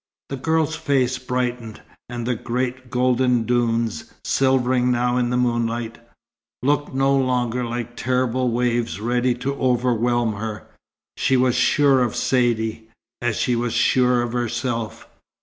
The girl's face brightened, and the great golden dunes, silvering now in moonlight, looked no longer like terrible waves ready to overwhelm her. She was sure of Saidee, as she was sure of herself.